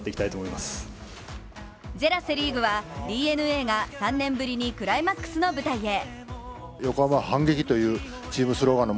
セ・リーグはＤｅＮＡが３年ぶりにクライマックスの舞台へ。